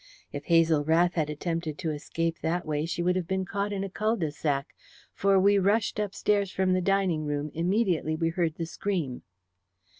If Hazel Rath had attempted to escape that way she would have been caught in a cul de sac, for we rushed upstairs from the dining room immediately we heard the scream."